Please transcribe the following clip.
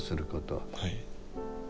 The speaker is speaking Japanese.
はい。